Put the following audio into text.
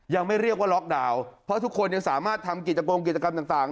ยังไม่เรียกว่าล็อกดาวน์เพราะทุกคนยังสามารถทำกิจโปรงกิจกรรมต่าง